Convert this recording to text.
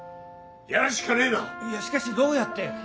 やるしかねえないやしかしどうやって？